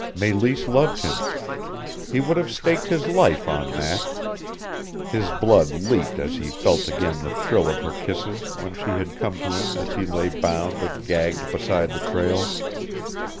Meleese loved him. He would have staked his life on that. His blood leaped as he felt again the thrill of her kisses when she had come to him as he lay bound and gagged beside the trail.